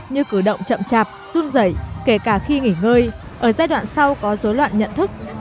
như cử động chậm chạp run rẩy kể cả khi nghỉ ngơi ở giai đoạn sau có dối loạn nhận thức